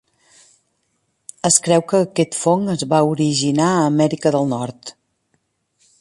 Es creu que aquest fong es va originar a Amèrica del Nord.